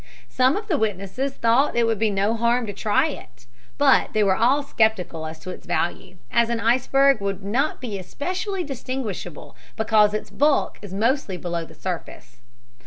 Some of the witnesses thought it would be no harm to try it, but they were all skeptical as to its value, as an iceberg would not be especially distinguishable because its bulk is mostly below the surface.